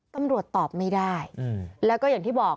ตำรวจตอบไม่ได้แล้วก็อย่างที่บอก